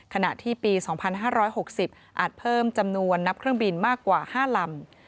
ขณะที่ปี๒๕๖๐อาจเพิ่มจำนวนนับเครื่องบินมากกว่า๕ลำ